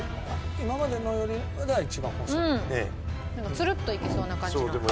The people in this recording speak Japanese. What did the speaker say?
ツルッといけそうな感じな。